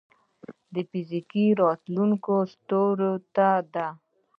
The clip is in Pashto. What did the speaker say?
د فزیک راتلونکې ستورو ته ده.